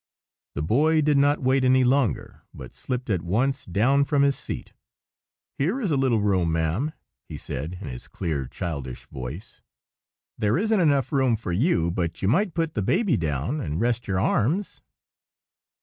The Boy did not wait any longer, but slipped at once down from his seat. "Here is a little room, ma'am!" he said, in his clear, childish voice. "There isn't enough for you, but you might put the baby down, and rest your arms."